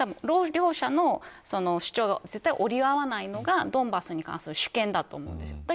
両者の主張が絶対に折り合わないのがドンバスに関する主権だと思うんです。